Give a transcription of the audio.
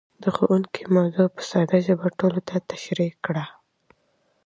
ښوونکی موضوع په ساده ژبه ټولو ته تشريح کړه.